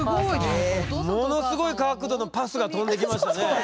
ものすごい角度のパスが飛んできましたね。